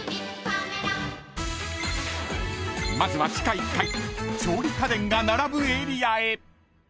［まずは地下１階調理家電が並ぶエリアへ］